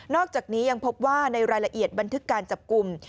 อกจากนี้ยังพบว่าในรายละเอียดบันทึกการจับกลุ่ม